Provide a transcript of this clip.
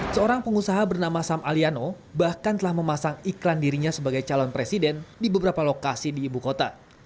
seorang pengusaha bernama sam aliano bahkan telah memasang iklan dirinya sebagai calon presiden di beberapa lokasi di ibu kota